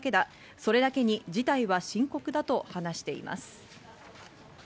それだけに事態は深刻だと話しています。